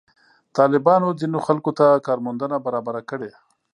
طالبانو ځینو خلکو ته کار موندنه برابره کړې.